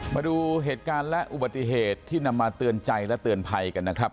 มาดูเหตุการณ์และอุบัติเหตุที่นำมาเตือนใจและเตือนภัยกันนะครับ